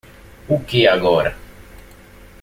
O que agora?